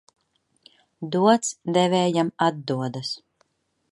Dots devējām atdodas.